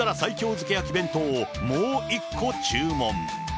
漬け焼き弁当をもう１個注文。